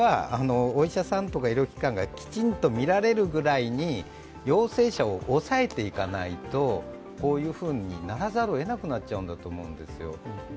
お医者さんとか医療機関がきちんと診られるくらいに陽性者を抑えていかないと、こういうふうにならざるをえなくなっちゃうんだと思うんです。